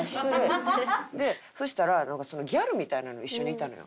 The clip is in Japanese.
そしたらギャルみたいなの一緒にいたのよ